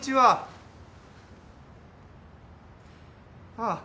ああ。